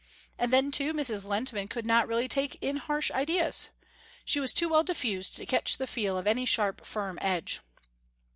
And then too Mrs. Lehntman could not really take in harsh ideas. She was too well diffused to catch the feel of any sharp firm edge.